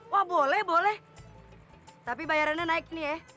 wah boleh boleh tapi bayarannya naik nih ya